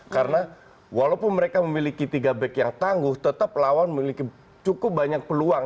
karena walaupun mereka memiliki tiga back yang tangguh tetap lawan memiliki cukup banyak peluang